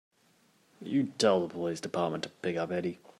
You tell the police department to pick up Eddie.